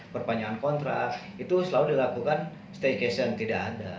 perpanjangan kontrak itu selalu dilakukan staycation tidak ada